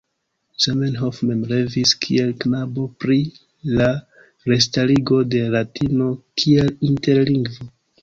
Zamenhof mem revis kiel knabo pri la restarigo de latino kiel interlingvo.